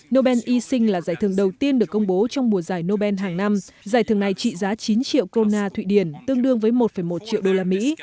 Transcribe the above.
nobel y sinh là giải thưởng đầu tiên được công bố trong mùa giải nobel hàng năm giải thưởng này trị giá chín triệu krona thụy điển tương đương với một một triệu đô la mỹ